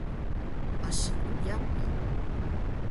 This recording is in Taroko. asi kyapi!